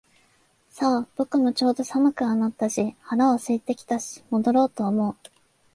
さあ、僕もちょうど寒くはなったし腹は空いてきたし戻ろうと思う